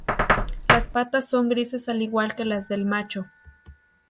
Las patas son grises al igual que las del macho.